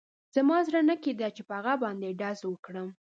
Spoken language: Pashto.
زما زړه نه کېده چې په هغه باندې ډز وکړم